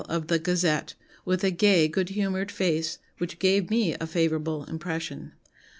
of the Gazette, with a gay good humoured face, which gave me a favourable impression."